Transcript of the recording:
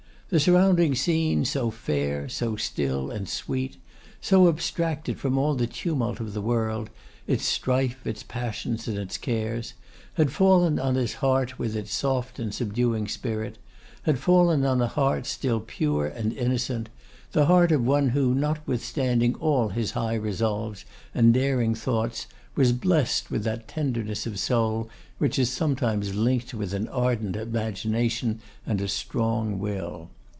The surrounding scene, so fair, so still, and sweet; so abstracted from all the tumult of the world, its strife, its passions, and its cares: had fallen on his heart with its soft and subduing spirit; had fallen on a heart still pure and innocent, the heart of one who, notwithstanding all his high resolves and daring thoughts, was blessed with that tenderness of soul which is sometimes linked with an ardent imagination and a strong will.